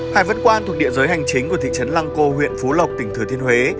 hải vân quan thuộc địa giới hành chính của thị trấn lăng cô huyện phú lộc tỉnh thừa thiên huế